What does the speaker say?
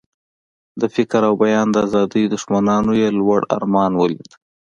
د فکر او بیان د آزادۍ دښمنانو یې لوړ ارمان ولید.